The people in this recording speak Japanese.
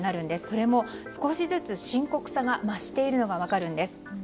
それも少しずつ深刻さが増しているのが分かるんです。